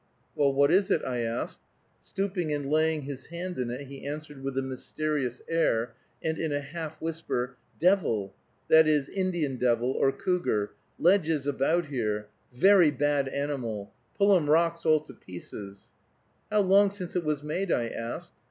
"Well, what is it?" I asked. Stooping and laying his hand in it, he answered with a mysterious air, and in a half whisper, "Devil [that is, Indian Devil, or cougar] ledges about here very bad animal pull 'em rocks all to pieces." "How long since it was made?" I asked.